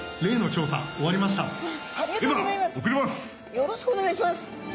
よろしくお願いします。